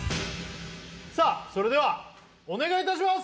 さあそれではお願いいたします！